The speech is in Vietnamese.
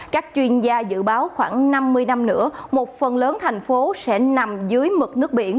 các chuyên gia dự báo khoảng năm mươi năm nữa một phần lớn thành phố sẽ nằm dưới mực nước biển